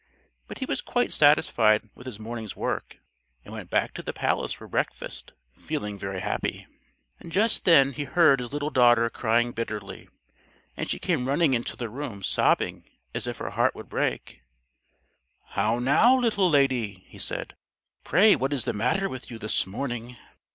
But he was quite satisfied with his morning's work, and went back to the palace for breakfast feeling very happy. Just then he heard his little daughter crying bitterly, and she came running into the room sobbing as if her heart would break. "How now, little lady," he said, "pray what is the matter with you this morning?"